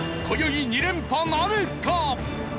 今宵２連覇なるか？